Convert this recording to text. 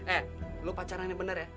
eh lo pacaran ini bener ya